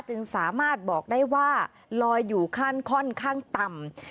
จึงสามารถบอกได้ว่าลอยอยู่ขั้นค่อนข้างต่ำ